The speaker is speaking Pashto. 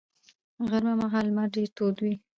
غرمه مهال لمر ډېر تود وي